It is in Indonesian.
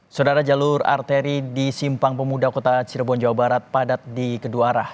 saudara jalur arteri di simpang pemuda kota cirebon jawa barat padat di kedua arah